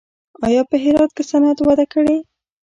آیا په هرات کې صنعت وده کړې؟